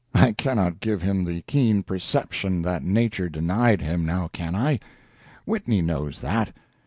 I cannot give him the keen perception that nature denied him—now can I? Whitney knows that.